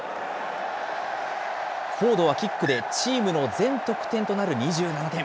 フォードはキックでチームの全得点となる２７点。